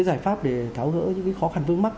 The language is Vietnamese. cái giải pháp để tháo gỡ những cái khó khăn vướng mắt